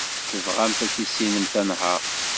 Tebɣamt ad tissinemt tanhaṛt.